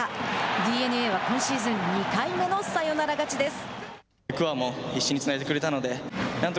ＤｅＮＡは今シーズン２回目のサヨナラ勝ちです。